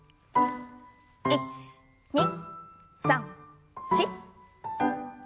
１２３４。